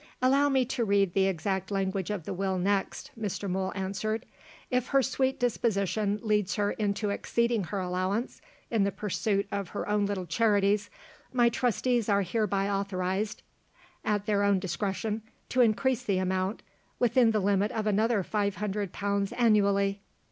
"Allow me to read the exact language of the Will next," Mr. Mool answered. "'If her sweet disposition leads her into exceeding her allowance, in the pursuit of her own little charities, my Trustees are hereby authorized, at their own discretion, to increase the amount, within the limit of another five hundred pounds annually.